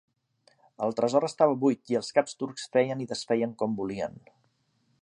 El tresor estava buit i els caps turcs feien i desfeien com volien.